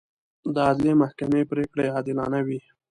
د عدلي محکمې پرېکړې عادلانه وي.